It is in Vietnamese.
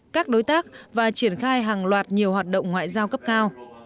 các đối tác và triển khai hàng loạt nhiều hoạt động ngoại giao cấp cao